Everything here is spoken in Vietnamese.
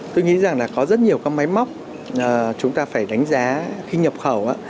tôi nghĩ rằng là có rất nhiều các máy móc chúng ta phải đánh giá khi nhập khẩu